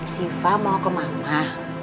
sipa mau ke mama